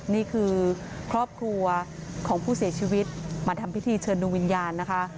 นี่คือครอบครัวของผู้เสียชีวิตมาทำพิธีเชิญดวงวิญญาณนะคะ